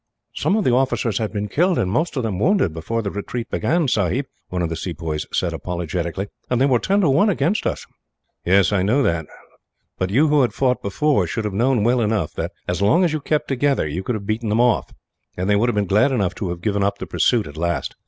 "Some of the officers had been killed, and most of them wounded, before the retreat began, sahib," one of the sepoys said apologetically, "and they were ten to one against us." "Yes, I know that; but you who had fought before should have known well enough that, as long as you kept together, you could have beaten them off; and they would have been glad enough to have given up the pursuit, at last.